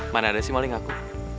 mana ada sih maling aku